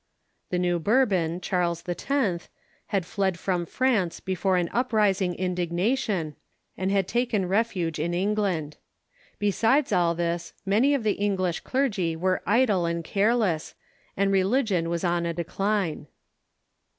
The new Bourbon, Charles X., had fled from France before an uprising indignation, and had taken refuge in England. Besides all this, many of the English clergy were idle and careless, and religion was on a decline.